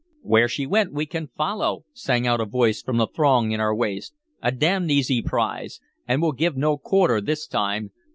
"Where she went we can follow!" sang out a voice from the throng in our waist. "A d d easy prize! And we'll give no quarter this time!"